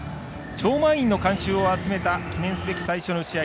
超満員の観衆を集めた記念すべき最初の試合